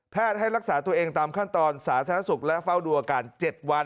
ให้รักษาตัวเองตามขั้นตอนสาธารณสุขและเฝ้าดูอาการ๗วัน